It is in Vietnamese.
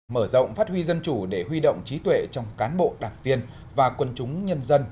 mở rộng phát huy dân chủ để huy động trí tuệ trong cán bộ đảng viên và quân chúng nhân dân